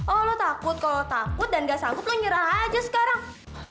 oh lo takut kalau takut dan gak sanggup lo nyerah aja sekarang